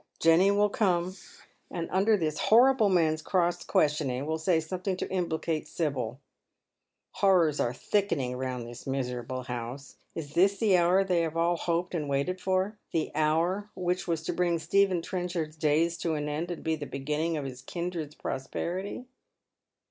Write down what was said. Jenny will come, and under this hor rible man's cross questioning will say something to implicate Sibyl. HoiTors are thickening round this miserable house. Is tliis the hour they have all hoped and waited for, the hour which was to bring Stephen Trenchard's days to an end, and be the beginning of his kindred's prosperity